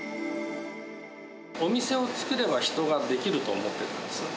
お店を作れば人が出来ると思ってたんですよね。